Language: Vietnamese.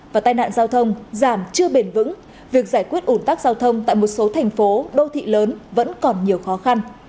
và tai nạn giao thông giảm chưa bền vững việc giải quyết ủn tắc giao thông tại một số thành phố đô thị lớn vẫn còn nhiều khó khăn